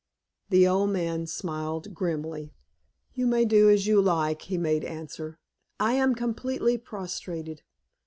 The old man smiled grimly. "You may do as you like," he made answer, "I am completely prostrated."